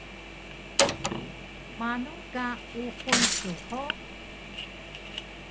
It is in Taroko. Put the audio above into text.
Manu ka uqun su hug?